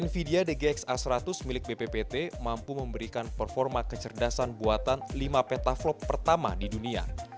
nvidia dgx a seratus milik bppt mampu memberikan performa kecerdasan buatan lima petaflop pertama di dunia